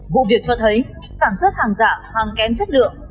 vụ việc cho thấy sản xuất hàng giả hàng kém chất lượng